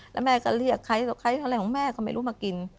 แล้วแม่ก็เรียกใครของแม่ก็ไม่รู้มากิน